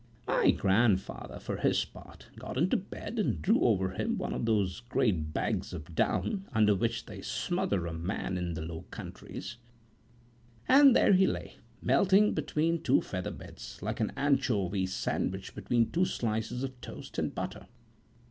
My grandfather, for his part, got into bed, and drew over him one of those great bags of down, under which they smother a man in the Low Countries; and there he lay, melting between, two feather beds, like an anchovy sandwich between two slices of toast and butter.